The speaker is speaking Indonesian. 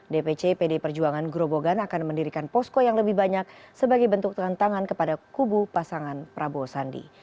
dpc pd perjuangan grobogan akan mendirikan posko yang lebih banyak sebagai bentuk tantangan kepada kubu pasangan prabowo sandi